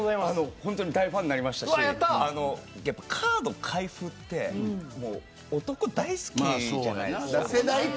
大ファンになりましたしカード開封って男、大好きじゃないですか。